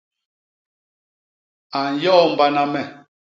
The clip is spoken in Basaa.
A nyoombana me.